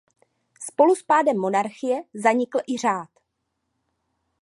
Spolu s pádem monarchie zanikl i řád.